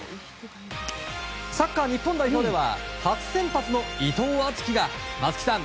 サッカー日本代表では初先発の伊藤敦樹が松木さん